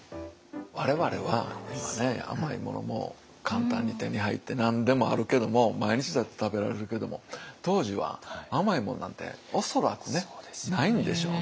我々は今ね甘いものも簡単に手に入って何でもあるけども毎日だって食べられるけども当時は甘いものなんて恐らくねないんでしょうね。